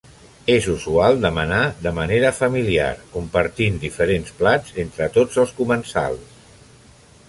És usual demanar de manera familiar, compartint diferents plats entre tots els comensals.